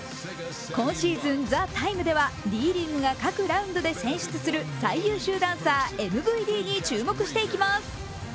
今シーズン「ＴＨＥＴＩＭＥ，」ではＤ．ＬＥＡＧＵＥが各ラウンドで選出する最優秀ダンサーＭＶＤに注目していきます。